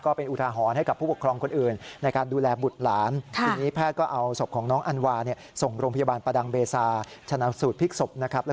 กุศลทางศาสนาต่อไปนะน่าเศร้าน่าสลดนะครับ